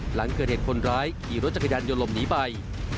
หลังเกิดเหตุคนร้ายขี่รถจักรยานยนต์หลบหนีไป